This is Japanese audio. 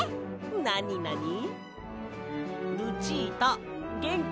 なになに。